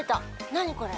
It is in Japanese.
何これ。